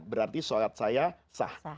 berarti solat saya sah